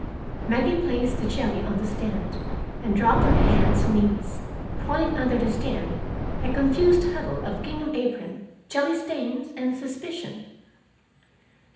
Maggie placed the jelly on the stand, and dropped on her hands and knees, crawling under the stand, a confused huddle of gingham apron, jelly stains, and suspicion.